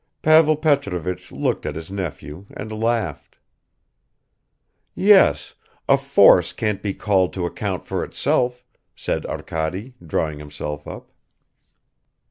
Pavel Petrovich looked at his nephew and laughed. "Yes, a force can't be called to account for itself," said Arkady, drawing himself up.